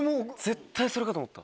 絶対それかと思った。